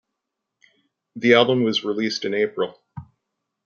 The album was released in April.